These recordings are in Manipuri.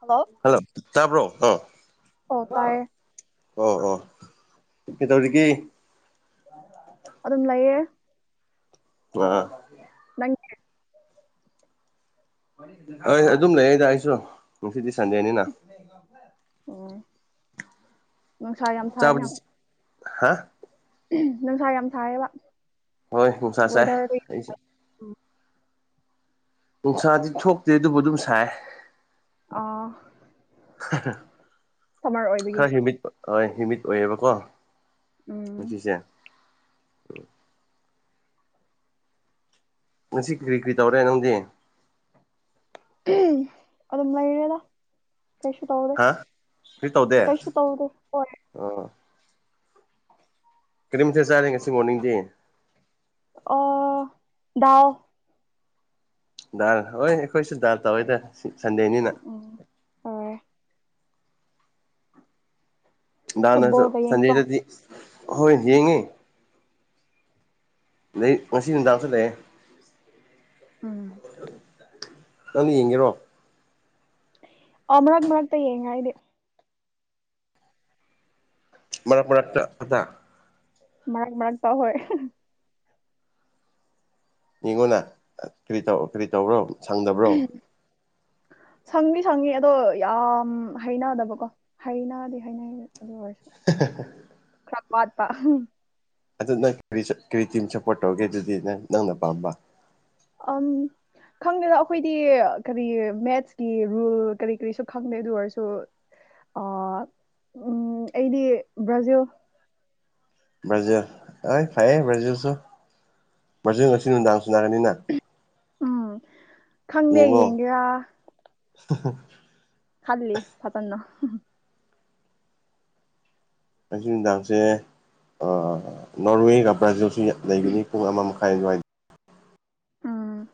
ꯍꯜꯂꯣ ꯍꯜꯂꯣ ꯇꯥꯕ꯭ꯔꯣ ꯑ ꯑꯣ ꯇꯥꯏꯌꯦ ꯑꯣ ꯑꯣ ꯀꯩꯇꯧꯔꯤꯒꯦ ꯑꯗꯨꯝ ꯂꯩꯌꯦ ꯑ ꯅꯪꯗꯤ ꯍꯣꯏ ꯑꯗꯨꯝ ꯂꯩꯌꯦꯗ ꯑꯩꯁꯨ ꯉꯁꯤꯗꯤ ꯁꯟꯗꯦꯅꯤꯅ ꯑꯣ ꯅꯨꯡꯁꯥ ꯌꯥꯝ ꯁꯥꯏꯅ ꯆꯥꯕꯗꯤ ꯍꯥ ꯅꯨꯡꯁꯥ ꯌꯥꯝ ꯁꯥꯥꯏꯌꯦꯕ ꯍꯣꯏ ꯅꯨꯡꯁꯥ ꯆꯥꯏ ꯑꯩꯁꯦ ꯅꯨꯡꯁꯥꯗꯤ ꯊꯣꯛꯇꯦ ꯑꯗꯨꯕꯨ ꯑꯗꯨꯝ ꯁꯥꯏ ꯑ ꯑꯣꯏꯕꯒꯤ ꯈꯔ ꯍꯤꯃꯤꯠ ꯍꯣꯏ ꯍꯤꯃꯤꯠ ꯑꯣꯏꯌꯦꯕꯀꯣ ꯎꯝ ꯉꯁꯤꯁꯦ ꯉꯁꯤ ꯀꯔꯤ ꯀꯔꯤ ꯇꯧꯔꯦ ꯅꯪꯗꯤ ꯑꯗꯨꯝ ꯂꯩꯔꯦꯗ ꯀꯩꯁꯨ ꯇꯧꯗꯦ ꯍꯥ ꯀꯔꯤ ꯇꯧꯗꯦ ꯀꯩꯁꯨ ꯇꯧꯗꯦ ꯍꯣꯏ ꯑꯣ ꯀꯔꯤꯝꯇ ꯆꯥꯔꯦ ꯉꯁꯤ ꯃꯣꯔꯅꯤꯡꯗꯤ [unintelligible] ꯗꯥ ꯍꯣꯏ ꯑꯩꯈꯣꯏꯁꯤꯗ ꯇꯧꯋꯦꯗ ꯁꯟꯗꯦꯅꯤꯅ ꯑꯣ ꯍꯣꯏ ꯗꯥꯅꯁꯨ ꯐꯨꯠꯕꯣꯜꯒ ꯌꯦꯡꯗ꯭ꯔꯣ ꯁꯦꯟꯗꯦꯗꯗꯤ ꯍꯣꯏ ꯌꯦꯡꯉꯦ ꯑꯗꯩ ꯉꯁꯤ ꯅꯨꯡꯗꯥꯡꯁꯨ ꯂꯩꯑꯦ ꯎꯝ ꯅꯪ ꯌꯦꯡꯒꯦꯔꯣ [unintelligible] ꯃꯔꯛ ꯃꯔꯛ ꯈꯛꯇ ꯃꯔꯛ ꯃꯔꯛꯇꯥ ꯍꯣꯏ ꯃꯤꯉꯣꯟꯅ ꯀꯔꯤ ꯇꯧ ꯀꯔꯤ ꯇꯧꯕ꯭ꯔꯣ ꯁꯪꯗꯕ꯭ꯔꯣ ꯁꯪꯅꯗꯤ ꯁꯪꯉꯤ ꯑꯗꯣ ꯌꯥꯝ ꯍꯩꯅꯗꯕꯀꯣ ꯍꯩꯅꯗꯤ ꯍꯅ ꯑꯗꯨ ꯑꯣꯏꯔꯁꯦ [inaudible] [unintelligible] ꯑꯗꯨ ꯅꯪ ꯀꯔꯤ ꯁꯞ ꯀꯔꯤ ꯇꯤꯝ ꯁꯞꯄꯣꯔꯠ ꯇꯧꯒꯦ ꯑꯗꯨꯗꯤ ꯅꯪ ꯅꯪꯅ ꯄꯥꯝꯕ ꯑꯝ ꯈꯪꯗꯦꯗ ꯑꯩꯈꯣꯏꯗꯤ ꯀꯔꯤ ꯃꯦꯠꯁꯀꯤ ꯔꯨꯜ ꯀꯔꯤ ꯀꯔꯤꯁꯨ ꯈꯪꯗꯦ ꯑꯗꯨ ꯑꯣꯏꯔꯁꯨ ꯑꯥ ꯑꯩꯗꯤ ꯕ꯭ꯔꯖꯤꯜ ꯕ꯭ꯔꯥꯖꯤꯜ ꯑꯩ ꯐꯩꯌꯦ ꯕ꯭ꯔꯖꯤꯜꯁꯨ ꯕ꯭ꯔꯖꯤꯜ ꯉꯪꯁꯤ ꯅꯨꯡꯗꯥꯡ ꯁꯥꯅꯔꯅꯤꯅ ꯎꯝ ꯈꯪꯗꯦ ꯌꯦꯡꯉꯣ ꯌꯦꯡꯒꯦꯔꯥ [inaudible] ꯈꯜꯂꯤ ꯐꯖꯟꯅ ꯉꯁꯤ ꯅꯨꯃꯤꯗꯥꯡꯁꯦ ꯅꯣꯔꯋꯦꯒ ꯕ꯭ꯔꯥꯖꯤꯜꯁꯨ ꯂꯩꯒꯅꯤ ꯄꯨꯡ ꯑꯃ ꯃꯈꯥꯏ [unintelligible] ꯎꯝ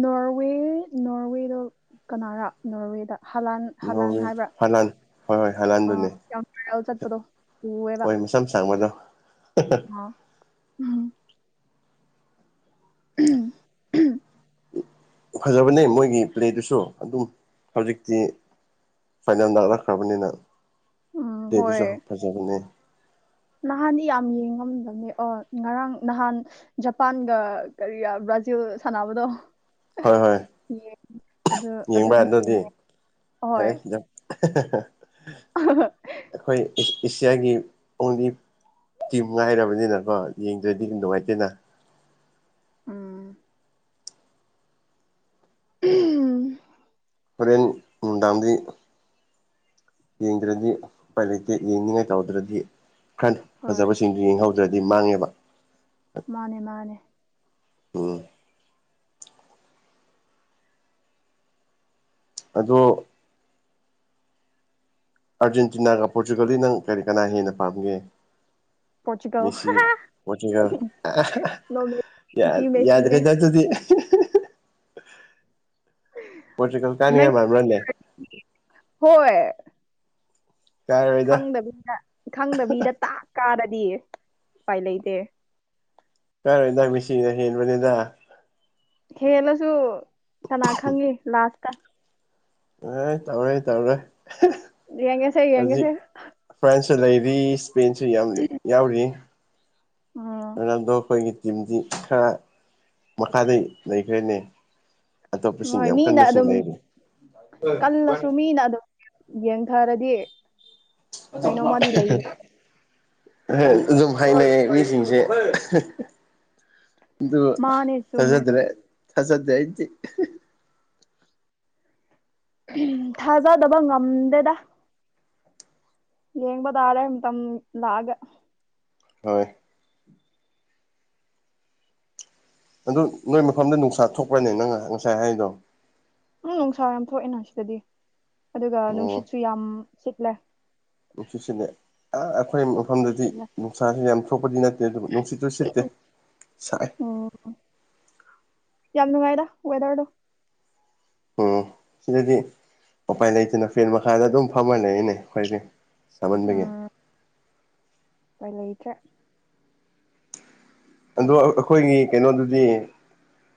ꯅꯣꯔꯋꯦ ꯅꯣꯔꯋꯦꯗ ꯀꯅꯥꯔꯥ ꯅꯣꯔꯋꯦꯗ ꯍꯂꯥꯟ ꯍꯜꯂꯟ ꯅꯣꯔꯋꯦ ꯍꯥꯏꯕ꯭ꯔꯥ ꯍꯂꯥꯟ ꯍꯣꯏ ꯍꯣꯏ ꯑ ꯍꯂꯥꯟꯗꯨꯅꯦ ꯌꯥꯝ ꯚꯥꯏꯔꯦꯜ ꯆꯠꯄꯗꯣ ꯍꯣꯏ ꯃꯁꯝ ꯁꯥꯡꯕꯗꯣ [unintelligible] ꯎꯝ ꯐꯖꯕꯅꯦ ꯃꯣꯏꯒꯤ ꯄ꯭ꯂꯦꯗꯨꯁꯨ ꯑꯗꯨꯝ ꯍꯧꯖꯤꯛꯇꯤ ꯐꯥꯏꯅꯥꯜ ꯂꯥꯛꯂꯛꯈ꯭ꯔꯕꯅꯤ ꯅꯪ ꯎꯝ ꯗꯗꯨꯁꯨ ꯍꯣꯏ ꯍ ꯐꯖꯕꯅꯦ ꯅꯍꯥꯟꯗꯤ ꯌꯥꯝ ꯌꯦꯡꯉꯝꯗꯕꯅꯦ ꯑꯣ ꯉꯔꯥꯡ ꯅꯍꯥꯟ ꯖꯄꯥꯟꯒ ꯀꯔꯤ ꯕ꯭ꯔꯥꯖꯤꯜ ꯁꯥꯟꯅꯕꯗꯣ ꯍꯣꯏ ꯍꯣꯏ ꯌꯦꯡ ꯑꯗꯨ ꯑꯗꯨꯗꯤ ꯌꯦꯡꯉꯦ [unintelligible] ꯍꯣꯏ ꯑꯩꯈꯣꯏ ꯑꯦꯁꯤꯌꯥꯒꯤ ꯑꯣꯡꯂꯤ ꯇꯤꯝ ꯉꯥꯏꯔꯕꯅꯤꯅꯀꯣ ꯌꯦꯡꯗ꯭ꯔꯗꯤ ꯌꯥꯝ ꯅꯨꯡꯉꯥꯏꯇꯦꯅ ꯎꯝ ꯎꯝ ꯍꯣꯔꯦꯟ ꯅꯨꯡꯗꯥꯡꯗꯤ ꯌꯦꯡꯗ꯭ꯔꯗꯤ ꯎꯄꯥꯏ ꯂꯩꯇꯦ ꯌꯦꯡꯅꯤꯡꯉꯥꯏ ꯇꯧꯗ꯭ꯔꯗꯤ ꯍꯣꯏ ꯐꯖꯕꯁꯤꯡ ꯌꯦꯡꯍꯧꯗ꯭ꯔꯗꯤ ꯃꯥꯡꯉꯦꯕ ꯃꯥꯅꯤ ꯃꯥꯅꯤ ꯎꯪ ꯑꯗꯨ ꯑꯥꯔꯖꯦꯟꯇꯤꯅꯥꯒ ꯄꯣꯔꯇꯨꯒꯜꯗꯤ ꯅꯪ ꯀꯔꯤ ꯀꯅꯥ ꯍꯦꯟꯅ ꯄꯥꯝꯒꯦ ꯄꯣꯔꯆꯨꯒꯜ UNINTELLIGIBLE ꯌꯥ ꯅꯣꯔꯃꯦꯜ ꯃꯦꯁꯤꯅꯦ ꯌꯥꯗ꯭ꯔꯦꯗ ꯑꯗꯨꯗꯤ ꯄꯣꯔꯇꯨꯒꯜ ꯅꯪ ꯀꯅꯤꯉꯥꯏ ꯃꯥꯟꯕ꯭ꯔꯥꯅꯦ ꯍꯣꯏ ꯀꯥꯔꯣꯏꯗ ꯈꯪꯗꯕꯤꯗ ꯈꯪꯗꯕꯤꯗ ꯇꯥꯛ ꯀꯥꯔꯗꯤ ꯎꯄꯥꯏ ꯂꯩꯇꯦ ꯀꯥꯏꯔꯣꯏꯗ ꯃꯦꯁꯤꯅ ꯍꯦꯟꯕꯅꯤꯗ ꯍꯦꯜꯂꯁꯨ ꯀꯅꯥ ꯈꯪꯅꯤ ꯂꯥꯁ ꯑꯦ ꯇꯧꯔꯦ ꯇꯧꯔꯣꯏ ꯌꯦꯡꯒꯦꯁꯦ ꯌꯦꯡꯒꯦꯁꯦ ꯐ꯭ꯔꯦꯟꯁꯁꯨ ꯂꯩꯔꯤ ꯏꯁꯄꯦꯟꯁꯨ ꯌꯥꯝꯅ ꯌꯥꯎꯔꯤ ꯎꯝ ꯔꯣꯅꯥꯜꯗꯣꯈꯣꯏꯒꯤ ꯇꯤꯝꯗꯤ ꯈꯔ ꯃꯈꯥꯗꯩ ꯂꯩꯈ꯭ꯔꯦꯅꯦ ꯑꯇꯣꯞꯄꯁꯤꯡ ꯍꯣꯏ ꯌꯥꯝ ꯃꯤꯅ ꯀꯟꯕꯁꯤꯡ ꯑꯗꯨꯝ ꯂꯩꯔꯤ ꯀꯜꯂꯁꯨ ꯃꯤꯅ ꯑꯗꯨꯝ ꯌꯦꯡꯊꯥꯔꯗꯤ UNINTELLIGIBLE ꯑꯗꯨ ꯃꯥꯅꯦ ꯆꯨꯝꯃꯦ ꯊꯥꯖꯗ꯭ꯔꯦ ꯊꯥꯖꯗꯦ ꯑꯩꯗꯤ ꯊꯥꯖꯗꯕ ꯉꯝ ꯗꯦꯗ ꯌꯦꯡꯕ ꯇꯥꯔꯦ ꯃꯇꯝ ꯂꯥꯛꯑꯒ ꯍꯣꯏ ꯑꯗꯨ ꯅꯣꯏ ꯃꯐꯝꯗ ꯅꯨꯡꯁꯥ ꯊꯣꯛꯄ꯭ꯔꯥꯅꯦ ꯅꯪ ꯉꯁꯥꯏ ꯍꯥꯏꯔꯤꯗꯣ ꯎꯪ ꯅꯨꯡꯁꯥ ꯌꯥꯝ ꯊꯣꯛꯑꯦꯅꯥ ꯁꯤꯗꯗꯤ ꯑꯗꯨꯒ ꯑꯣ ꯅꯨꯡꯁꯤꯠꯁꯨ ꯌꯥꯝ ꯁꯤꯠꯂꯦ ꯅꯨꯡꯁꯤꯠꯁꯤꯅꯦ ꯑꯥ ꯑꯩꯈꯣꯏ ꯃꯐꯝꯗꯗꯤ ꯁꯤꯠꯂꯦ ꯅꯨꯡꯁꯥꯥꯁꯦ ꯌꯥꯝ ꯊꯣꯛꯄꯗꯤ ꯅꯠꯇꯦ ꯑꯗꯨꯕꯨ ꯅꯨꯡꯁꯤꯠ ꯑꯗꯨ ꯁꯤꯠꯇꯦ ꯁꯥꯏ ꯎꯝ ꯌꯥꯝ ꯅꯨꯡꯉꯥꯏꯗ ꯋꯦꯗꯔꯗꯣ ꯎꯪ ꯑꯗꯨꯗꯤ ꯎꯄꯥꯏ ꯂꯩꯇꯅꯥ ꯐꯦꯟ ꯃꯈꯥꯗ ꯑꯗꯨꯝ ꯐꯝꯃ ꯂꯩꯔꯤꯅꯦ ꯑꯩꯈꯣꯏꯖꯦ ꯎꯝ ꯁꯥꯃꯟꯕꯒꯤ ꯎꯄꯥꯏ ꯂꯩꯇ꯭ꯔꯦ ꯑꯗꯣ ꯑꯥꯑꯥ ꯑꯩꯈꯣꯏꯒꯤ ꯀꯩꯅꯣꯗꯗꯤ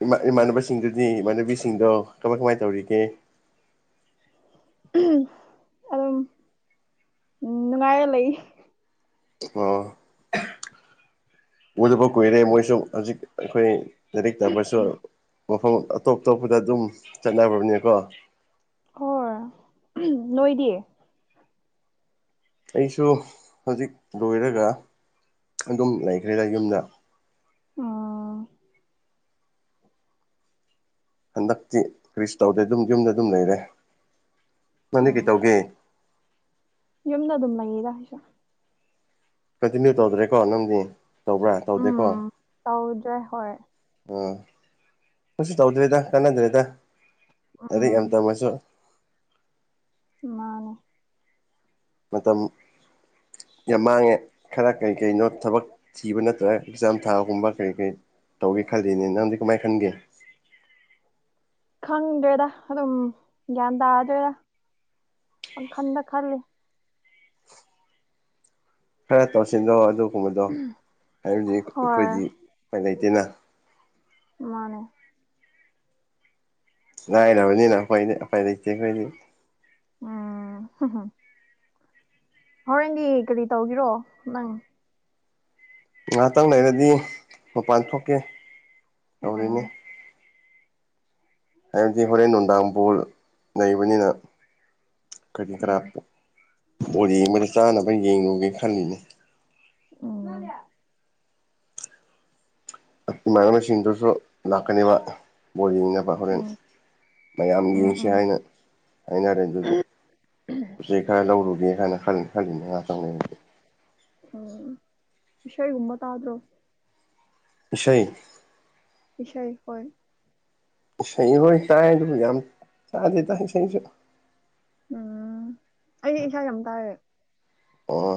ꯏꯃꯥ ꯏꯃꯥꯟꯅꯕꯁꯤꯡꯗꯨꯗꯤ ꯏꯃꯥꯟꯅꯕꯤꯁꯤꯡꯗꯣ ꯀꯃꯥꯏ ꯀꯃꯥꯏ ꯇꯧꯔꯤꯒꯦ ꯑꯗꯨꯝ ꯅꯨꯡꯉꯥꯏꯔ ꯂꯩ ꯍꯣ ꯎꯗꯕ ꯀꯨꯏꯔꯦ ꯃꯣꯏꯁꯨ ꯍꯧꯖꯤꯛ ꯑꯩꯈꯣꯏ ꯂꯥꯏꯔꯤꯛ ꯇꯝꯃꯁꯨ ꯃꯐꯝ ꯑꯇꯣꯞ ꯑꯇꯣꯞꯄꯗ ꯑꯗꯨꯝ ꯆꯠꯅꯕꯅꯤꯀꯣ ꯍꯣꯏ ꯅꯣꯏꯗꯤ ꯑꯩꯁꯨ ꯍꯧꯖꯤꯛ ꯂꯣꯏꯔꯒ ꯑꯗꯨꯝ ꯂꯩꯈ꯭ꯔꯦꯗ ꯌꯨꯝꯗ ꯑꯥꯑ ꯍꯟꯗꯛꯇꯤ ꯀꯔꯤꯁꯨ ꯇꯧꯗꯦ ꯑꯗꯨꯝ ꯌꯨꯝꯗ ꯑꯗꯨꯝ ꯂꯩꯔꯦ ꯅꯥꯪꯗꯤ ꯎꯝ ꯀꯩꯇꯧꯒꯦ ꯌꯨꯝꯗ ꯑꯗꯨꯝ ꯂꯩꯗ ꯑꯩꯖꯨ ꯀꯟꯇꯤꯅ꯭ꯌꯨ ꯇꯧꯗ꯭ꯔꯦꯀꯣ ꯅꯪꯗꯤ ꯇꯧꯕ꯭ꯔꯥ ꯇꯧꯗꯦꯀꯣ ꯎꯝ ꯇꯧꯗ꯭ꯔꯦ ꯍꯣꯏ ꯑꯥꯑ ꯀꯩꯁꯨ ꯇꯧꯗ꯭ꯔꯦꯗ ꯀꯥꯟꯅꯗ꯭ꯔꯦꯗ ꯂꯥꯏꯔꯤꯛ ꯎꯝ ꯌꯥꯝ ꯇꯝꯃꯁꯨ ꯃꯥꯅꯦ ꯃꯇꯝ ꯌꯥꯝ ꯃꯥꯡꯉꯦ ꯈꯔ ꯀꯩ ꯀꯩꯅꯣ ꯊꯕꯛ ꯊꯤꯕ ꯅꯠꯇ꯭ꯔꯒ ꯑꯦꯛꯖꯥꯝ ꯊꯥꯕꯒꯨꯝꯕ ꯀꯔꯤ ꯀꯔꯤ ꯇꯧꯒꯦ ꯈꯜꯂꯤꯅꯦ ꯅꯪꯗꯤ ꯀꯃꯥꯏ ꯈꯟꯒꯦ ꯈꯪꯗ꯭ꯔꯦꯗ ꯑꯗꯨꯝ ꯒ꯭ꯌꯥꯟ ꯇꯥꯗ꯭ꯔꯦꯗ ꯄꯪꯈꯟꯗ ꯈꯜꯂꯤ ꯈꯔ ꯇꯧꯁꯤꯟꯅꫭ ꯑꯗꯨꯒꯨꯝꯕꯗꯣ ꯍꯥꯏꯕꯗꯤ ꯍꯣꯏ ꯑꯩꯈꯣꯏꯗꯤ ꯎꯄꯥꯏ ꯂꯩꯇꯦꯅ ꯃꯥꯅꯦ ꯂꯥꯏꯔꯕꯅꯤꯅꯥ ꯑꯈꯣꯏꯗꯤ ꯎꯄꯥꯢ ꯂꯩꯇꯦ ꯑꯈꯣꯏꯗꯤ ꯎꯝ [unintelligible] ꯍꯣꯔꯦꯟꯗꯤ ꯀꯔꯤ ꯇꯧꯒꯦꯔꯣ ꯅꯪ ꯉꯥꯇꯪ ꯂꯩꯔꯗꯤ ꯃꯄꯥꯟ ꯊꯣꯛꯀꯦ ꯇꯧꯔꯤꯅꯦ ꯎꯝ ꯍꯥꯏꯕꯗꯤ ꯍꯣꯔꯦꯟ ꯅꯨꯡꯗꯥꯡ ꯕꯣꯜ ꯂꯩꯩꯕꯅꯤꯅ ꯀꯔꯤ ꯀꯔꯥ ꯎꯝ ꯕꯣꯜ ꯌꯦꯡꯕꯗ ꯆꯥꯅꯕ ꯌꯦꯡꯉꯨꯒꯦ ꯈꯜꯂꯤꯅꯦ ꯎꯝ ꯏꯃꯥꯅꯕ ꯁꯤꯁꯤꯡꯗꯨꯁ ꯂꯥꯛꯀꯅꯤꯕ ꯕꯣꯜ ꯌꯦꯡꯃꯤꯟꯅꯕ ꯍꯣꯔꯦꯟ ꯎꯝ ꯃꯌꯥꯝ ꯎꯝ ꯌꯦꯡꯁꯤ ꯎꯝ ꯍꯥꯏꯅ ꯍꯥꯏꯅꯔꯦ ꯑꯗꯨꯒꯤ ꯎꯆꯦꯛ ꯈꯔ ꯂꯧꯔꯨꯒꯦ ꯍꯥꯏꯅ ꯈꯜ ꯈꯜꯂꯤꯅꯦ ꯉꯥꯇꯪ ꯂꯩꯔꯗꯤ ꯎꯝ ꯏꯁꯩ ꯒꯨꯝꯕ ꯇꯥꯗ꯭ꯔꯣ ꯏꯁꯩ ꯏꯁꯩ ꯍꯣꯏ ꯏꯁꯩ ꯍꯣꯏ ꯇꯥꯏ ꯑꯗꯨꯕꯨ ꯌꯥꯝ ꯇꯥꯗꯦꯗ ꯏꯁꯩꯁꯨ ꯎꯝ ꯑꯩ ꯏꯁꯩ ꯌꯥꯝ ꯇꯥꯌꯦ ꯑꯣ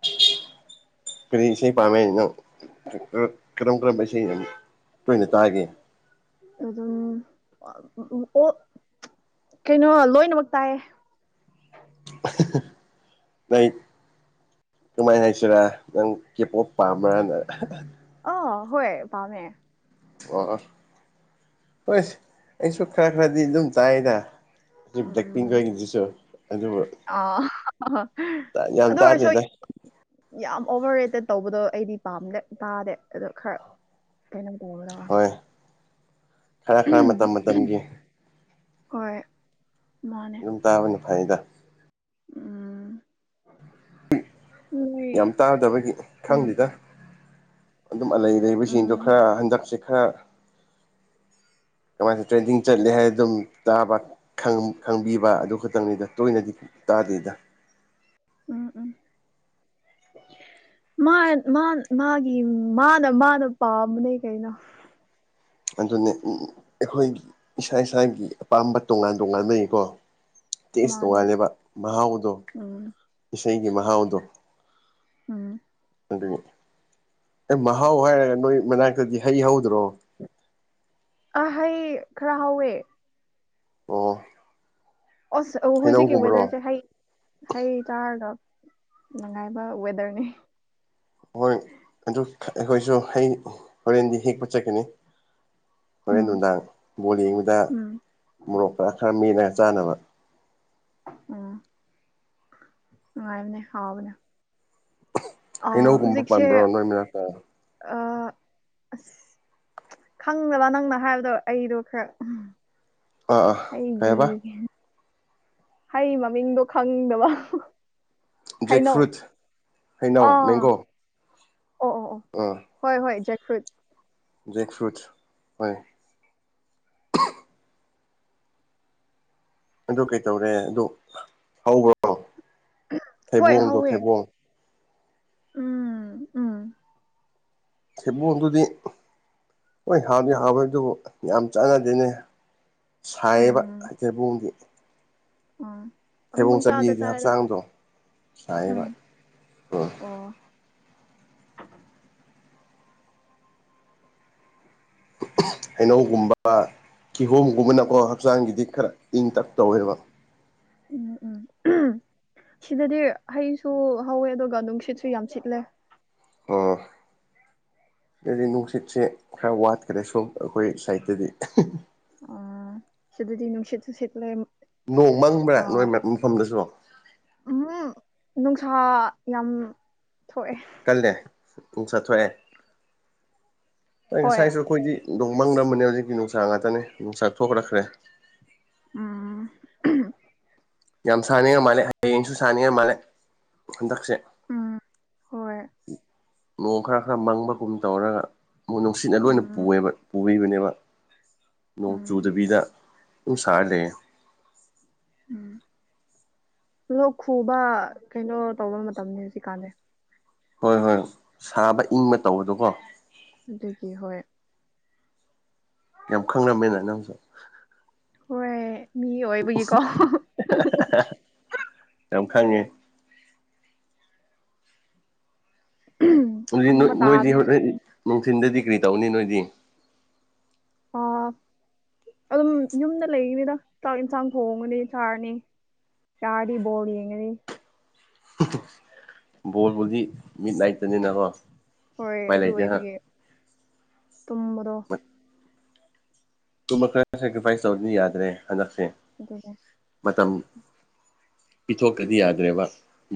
[unintelligible] ꯀꯔꯤ ꯏꯁꯩ ꯄꯥꯝꯃꯦ ꯅꯪ ꯑ ꯀꯔꯝ ꯀꯔꯝꯕ ꯏꯁꯩꯅ ꯇꯣꯏꯅ ꯇꯥꯒꯦ ꯑꯗꯨꯝ ꯑ ꯑꯣ ꯀꯩꯅꯣ ꯂꯣꯏꯅꯃꯛ ꯇꯥꯏꯌꯦ [unintelligible] ꯀꯨꯃꯥꯏꯟ ꯍꯥꯏꯁꯤꯔꯥ ꯅꯪ ꯀꯦꯄꯣꯞ ꯄꯥꯝꯕ꯭ꯔꯅ ꯑꯣꯍꯣꯢ ꯄꯥꯝꯃꯦ ꯑꯣ ꯑꯣ ꯍꯣꯏ ꯑꯩꯁꯨ ꯈꯔ ꯈꯔꯗꯤ ꯑꯗꯨꯝ ꯇꯥꯏꯗ ꯗꯨ ꯕ꯭ꯂꯦꯛꯄꯤꯡꯒ [unintelligible] ꯑ [unintelligible] ꯑꯗꯨꯗ ꯑꯣꯏꯁꯨ ꯇꯥꯗꯦꯗ ꯌꯥꯝ ꯑꯣꯚꯔ ꯔꯦꯠꯇ ꯇꯧꯕꯗꯣ ꯑꯩꯗꯤ ꯄꯥꯝꯗꯦ ꯇꯥꯗꯦ ꯑꯗꯣ ꯈꯔ ꯀꯩꯅꫭ ꯇꯧꯕꯗꫭ ꯑ ꯈꯔ ꯈꯔ ꯃꯇꯝ ꯃꯇꯝꯒꯤ ꯍꯣꯏ ꯃꯥꯅꯦ ꯗꯨꯝ ꯇꯥꯕꯅ ꯐꯩꯗ ꯎꯝ ꯅꯣꯏ ꯌꯥꯝ ꯇꯥꯗꯕꯒꯤ ꯎꯝ ꯈꯪꯗꯦꯗ ꯑꯗꯨꯝ ꯑꯂꯩ ꯂꯩꯩꯕꯁꯤꯡꯗꯣ ꯎꯝ ꯈꯔ ꯍꯟꯗꯛꯁꯦ ꯈꯔ ꯀꯃꯥꯏꯅ ꯇ꯭ꯔꯦꯟꯗꯤꯡ ꯆꯠꯂꯦ ꯍꯥꯏ ꯑꯗꯨꯝ ꯇꯥꯕ ꯈꯪ ꯈꯪꯕꯤꯕ ꯑꯗꯨ ꯈꯇꯪꯅꯤꯗ ꯇꯣꯏꯅꯗꯤ ꯇꯥꯗꯦꯗ ꯎꯝ ꯎꯝ [inaudible] ꯃꯥꯟ ꯃꯥꯟ ꯃꯥꯒꯤ ꯃꯥꯅ ꯃꯥꯅ ꯄꯥꯝꯕꯅꯦ ꯀꯩꯅꯣ ꯑꯗꯨꯅꯦ ꯎꯝ ꯑꯩꯈꯣꯏꯒꯤ ꯏꯁꯥ ꯏꯁꯥꯒꯤ ꯑꯄꯥꯝꯕ ꯇꯣꯉꯥꯟ ꯇꯣꯉꯥꯟꯅꯩ ꯀꯣ ꯇꯦꯁ ꯃꯥꯅꯦ ꯇꯣꯉꯥꯜꯂꯦꯕ ꯃꯍꯥꯎꯗꯣ ꯎꯝ ꯏꯁꯩꯒꯤ ꯃꯍꯥꯎꯗꯣ ꯎꯝ ꯑꯗꯨ ꯑꯦ ꯃꯍꯥꯎ ꯍꯥꯏꯔꯒ ꯅꯣꯏ ꯃꯅꯥꯛꯇꯗꯤ ꯍꯩ ꯍꯧꯗ꯭ꯔꯣ ꯑ ꯍꯩ ꯈꯔ ꯍꯧꯋꯦ ꯑꯣ ꯑꯣꯁ ꯑꫭ ꯍꯨꯖꯤꯛꯀꯤ ꯍꯩꯅꯧꯒꯨꯝꯕꯔꯣ ꯋꯦꯗꯔꯁꯦ ꯍꯩ ꯍꯩ ꯆꯥꯔꯒ ꯅꯨꯡꯉꯥꯏꯕ ꯋꯦꯗꯔꯅꯦ ꯍꯣꯏ ꯑꯗꯨ ꯑꯩꯈꯣꯏꯁꯨ ꯍꯩ ꯍꯣꯔꯦꯟꯗꯤ ꯍꯦꯛꯄ ꯆꯠꯀꯅꯤ꯫ ꯍꯣꯔꯦꯟ ꯎꯝ ꯅꯨꯡꯗꯥꯡ ꯕꯣꯜ ꯌꯦꯡꯕꯗ ꯎꯝ ꯃꯣꯔꯣꯛ ꯈꯔ ꯈꯔ ꯃꯦꯠꯂꯒ ꯆꯥꯅꯕ ꯎꯝ ꯅꯨꯡꯉꯥꯏꯕꯅꯦ ꯍꯥꯎꯕꯅꯦ ꯑ ꯍꯩꯅꯧꯒꯨꯝꯕ ꯍꯧꯖꯤꯛꯁꯦ ꯄꯥꯟꯕ꯭ꯔꯣ ꯅꯣꯏ ꯃꯅꯥꯛꯇ ꯑ ꯑꯁ ꯈꯪꯗꯕ ꯅꯪꯅ ꯍꯥꯏꯕꯗꯣ ꯑꯩꯗꯣ ꯈꯔ ꯑꯥ ꯑꯥ ꯀꯩꯍꯥꯏꯕ ꯑꯩꯒꯤ ꯍꯩ ꯃꯃꯤꯡꯗꯣ ꯈꯪꯗꯕ ꯖꯦꯛ ꯍꯩꯅꯧ ꯐ꯭ꯔꯨꯠ, ꯑꯥ ꯍꯩꯅꯧ, ꯃꯦꯡꯒꯣ ꯑꯣ ꯑꯣ ꯑꯣ ꯑꯥ ꯍꯣꯏ ꯍꯣꯏ ꯖꯦꯛꯐ꯭ꯔꯨꯠ ꯖꯦꯛꯐ꯭ꯔꯨꯠ ꯍꯣꯏ ꯑꯗꯨ ꯀꯩꯇꯧꯔꯦ ꯑꯗꯨ ꯍꯧꯕ꯭ꯔꯣ ꯍꯣꯏ ꯊꯩꯕꯣꯡꯗꯣ ꯍꯧꯋꯦ ꯊꯩꯕꯣꯡ ꯎꯝ ꯎꯝ ꯊꯩꯕꯣꯡꯗꯨꯗꯤ ꯍꯣꯏ ꯍꯥꯎꯗꯤ ꯍꯥꯎꯋꯦ ꯑꯗꯨꯕꯨ ꯌꯥꯝ ꯆꯥꯟꯅꯗꯦꯅꯦ꯫ ꯁꯥꯏꯌꯦꯕ ꯊꯩꯕꯣꯡꯒꯤ ꯑꯥ ꯊꯩꯕꯣꯡ ꯆꯥꯅꯤꯡꯉꯗꯤ ꯍꯛꯆꯥꯡꯗꯣ ꯁꯥꯏꯌꯦꯕ ꯎꯝ ꯎꯝ ꯑꯣ ꯍꯩꯅꯧꯒꯨꯝꯕ ꯀꯤꯍꯣꯝꯒꯨꯝꯕꯅꯀꯣ ꯍꯛꯆꯥꯡꯒꯤꯗꯤ ꯈꯔ ꯏꯪ ꯇꯛ ꯇꯧꯋꯦꯕ ꯎꯝ ꯎꯝ ꯁꯤꯗꯗꯤ ꯍꯩꯁꯨ ꯍꯧꯋꯦ ꯑꯗꯨꯒ ꯅꯨꯡꯁꯤꯠꯁꯨ ꯌꯥꯝ ꯁꯤꯠꯂꯦ꯫ ꯍꯣ ꯁꯤꯗꯗꯤ ꯅꯨꯡꯁꯤꯠꯁꯦ ꯈꯔ ꯋꯥꯠꯈ꯭ꯔꯦ ꯁꯨꯝ ꯑꯩꯈꯣꯏ ꯁꯥꯏꯠꯇꯗꯤ ꯑ ꯁꯤꯗꯗꯤ ꯅꯨꯡꯁꯤꯠꯁꯨ ꯁꯤꯠꯂꯦꯝ ꯅꯣꯡ ꯃꯪꯕ꯭ꯔꯥ ꯅꯣꯏ ꯃ ꯃꯐꯝꯗꯁꯨ ꯎꯝ ꯅꯨꯡꯁꯥ ꯌꯥꯝ ꯊꯣꯛꯑꯦ ꯀꯜꯂꯦ ꯄꯨꯡ ꯆꯠꯊꯣꯛꯑꯦ ꯑ ꯍꯣꯏ ꯉꯁꯥꯏꯁꯨ ꯑꯩꯈꯣꯏꯗꯤ ꯅꯣꯡꯃꯪꯔꯝꯕꯅꯦ ꯍꯧꯖꯤꯛꯇꯤ ꯅꯨꯡꯁꯥ ꯉꯥꯛꯇꯅꯦ ꯅꯨꯡꯁꯥ ꯊꯣꯛꯔꯛꯈ꯭ꯔꯦ꯫ ꯎꯝ ꯌꯥꯝ ꯁꯥꯅꯤꯡꯉꯥꯏ ꯃꯥꯜꯂꯦ ꯍꯌꯦꯡꯁꯨ ꯁꯥꯅꯤꯡꯉꯥꯏ ꯃꯥꯜꯂꯦ ꯍꯟꯗꯛꯁꯦ ꯎꯝ ꯍꯣꯏ ꯅꯣꯡ ꯈꯔ ꯈꯔ ꯃꯪꯕꯒꯨꯝ ꯇꯧꯔꯒ ꯃꯣꯏ ꯅꯨꯡꯁꯤꯠꯅ ꯂꯣꯏꯅ ꯎꯝ ꯄꯨꯑꯦꯕ ꯄꯨꯕꯤꯕꯅꯦꯕ ꯅꯣꯡ ꯎꯝ ꯆꯨꯗꯕꯤꯗ ꯁꯨꯝ ꯁꯥꯔꯦ ꯂꯩꯌꯦ ꯎꯝ ꯂꯣꯛ ꯈꯨꯕ ꯀꯩꯅꯣ ꯇꯧꯕ ꯃꯇꯝꯅꯤ ꯍꯧꯖꯤꯛꯀꯥꯟꯖꯦ ꯍꯣꯏ ꯍꯣꯏ ꯁꯥꯕ ꯏꯪꯕ ꯇꯧꯕꯗꯀꯣ ꯑꯗꯨꯒꯤ ꯍꯣꯏ ꯌꯥꯝ ꯈꯪꯔꯝꯃꯦꯅ ꯅꯪꯁꯨ꯫ ꯍꯣꯏ ꯃꯤ ꯑꯣꯏꯕꯒꯤꯀꯣ ꯌꯥꯝ ꯈꯪꯉꯦ ꯑꯗꯨꯗꯤ ꯅꯣꯏ ꯈꯪꯕ ꯅꯣꯏꯗꯤ ꯇꯥꯕꯅꯦ ꯍꯣ ꯔꯦꯟ ꯅꯨꯡꯊꯤꯟꯗꯗꯤ ꯀꯔꯤ ꯇꯧꯅꯤ ꯅꯣꯏꯗꯤ꯫ ꯑꯥ [inaudible] ꯑꯗꯨꯝ ꯌꯨꯝꯗ ꯂꯩꯒꯅꯤꯗ ꯆꯥꯛ ꯌꯦꯟꯁꯥꯡ ꯊꯣꯡꯉꯅꯤ ꯆꯥꯔꯅꯤ ꯆꯔꯗꯤ ꯕꯣꯜ ꯌꯦꯡꯒꯅꯤ ꯕꯣꯜꯕꯨꯗꯤ ꯃꯤꯠ ꯅꯥꯏꯠ ꯇꯅꯤꯅꯀꯣ ꯍꯣꯏ ꯑꯗꯨ ꯑꯣꯏꯕꯒꯤ ꯇꯨꯝꯕꯗꯣ [inaudible] ꯇꯨꯝꯕ ꯈꯔ ꯁ‌ꯦꯀ꯭ꯔꯤꯐꯥꯏꯁ ꯇꯧꯗ꯭ꯔꯥꯗꯤ ꯌꯥꯗꯔꯦ ꯍꯟꯗꯛꯁꯦ ꯫ ꯑꯗꯨꯅ‌ꯦ ꯃꯇꯝ ꯄꯤꯊꯣꯛꯇꯗꯤ ꯌꯥꯗ꯭ꯔꯦꯕ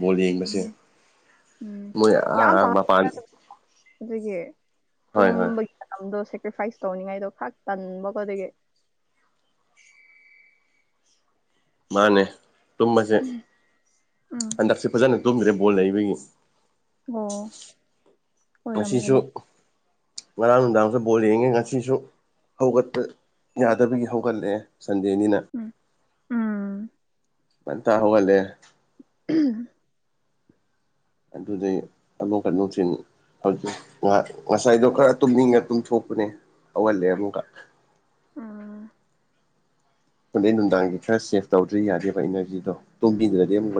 ꯕꯣꯜ ꯌꯦꯡꯕꯁꯦ ꯫ ꯎꯝ ꯎꯝ ꯌꯥꯝ ꯄꯥꯝ [unintelligible] ꯑꯗꯨꯒꯤ ꯍꯣꯏ ꯍꯣꯏ ꯇꯨꯝꯕꯒꯤ ꯃꯇꯝꯗꯣ ꯁꯦꯀ꯭ꯔꯤꯐꯥꯏꯁ ꯇꯧꯅꯤꯡꯉꯥꯏꯗꯣ ꯈꯛ ꯇꯟꯕꯀ‌ꯣ ꯑꯗꯨꯒꯤ ꯫ ꯃꯥꯅꯦ ꯇꯨꯝꯕꯁꯦ ꯎꯝ ꯍꯟꯗꯛꯁꯦ ꯐꯖꯅ ꯇꯨꯝꯗ꯭ꯔꯦ ꯕꯣꯜ ꯂꯩꯕꯒꯤ ꯫ ꯑꯣ ꯉꯁꯤꯁꯨ ꯑꯣꯏꯔꯝꯒꯅꯤ ꯉꯔꯥꯡ ꯅꯨꯡꯗꯥꯡꯁꯨ ꯕꯣꯜ ꯌꯦꯡꯉꯦ ꯉꯁꯤꯁꯨ ꯍꯧꯒꯠꯄ ꯌꯥꯗꯕꯒꯤ ꯍꯧꯒꯠꯂꯛꯑꯦ ꯁꯟꯗꯦꯅꯤꯅ ꯫ ꯎꯝ ꯎꯝ ꯉꯧꯇꯥ ꯍ‌ꯧꯒꯠꯂꯦ ꯫ ꯑꯗꯨꯗꯩ ꯑꯗꯨꯨꯛꯀꯥ ꯅꯨꯡꯊꯤꯟ ꯍꯧꯖꯤꯛ ꯉꯥ ꯉꯁꯥꯏꯗꯣ ꯈꯔ ꯇꯨꯝꯅꯤꯡꯉ ꯇꯨꯝꯊꯣꯛꯄꯅꯦ ꯍꯧꯒꯠꯂꯦ ꯑꯃꯨꯛꯀ ꯫ ꯎꯝ ꯑꯗꯩ ꯅꯨꯡꯗꯥꯡꯒꯤ ꯈꯔ ꯁꯦꯞ ꯇꯧꯗ꯭ꯔꯤ ꯌꯥꯗꯦꯕ ꯏꯅꯔꯖꯤꯗꯣ ꯇꯨꯝꯕꯤꯗ꯭ꯔꯗꯤ ꯑꯃꯨꯛ